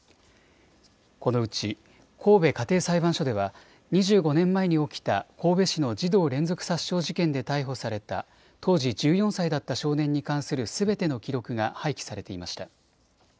このうち神戸家庭裁判所では２５年前に起きた神戸市の児童連続殺傷事件で逮捕された当時、１４歳だった少年に関するすべての記録が廃棄されていました。